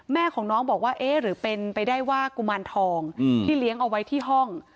แม่ของน้องบอกว่าเอ๊ะหรือเป็นไปได้ว่ากุมารทองที่เลี้ยงเอาไว้ที่ห้อง